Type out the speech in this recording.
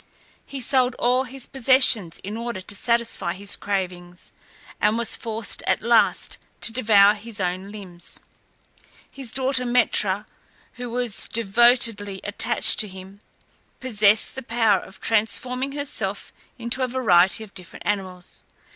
He sold all his possessions in order to satisfy his cravings, and was forced at last to devour his own limbs. His daughter Metra, who was devotedly attached to him, possessed the power of transforming herself into a variety of different animals.